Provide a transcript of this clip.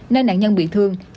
nên nạn nhân bị thương